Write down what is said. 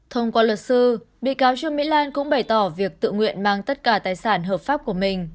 thông qua luật sư bị cáo trương mỹ lan cũng bày tỏ việc tự nguyện mang tất cả tài sản hợp pháp của mình